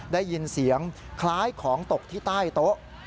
ได้ยินเสียงคล้ายของตกที่ใต้โต๊ะ